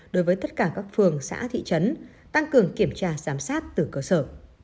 đối với tất cả các phường xã thị trấn tăng cường kiểm tra giám sát từ cơ sở